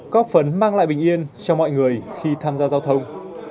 có phấn mang lại bình yên cho mọi người khi tham gia giao thông